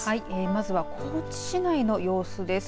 まずは高知市内の様子です。